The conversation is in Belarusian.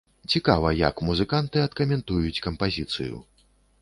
Цікава, як музыканты адкаментуюць кампазіцыю.